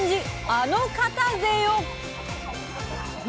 あの方ぜよ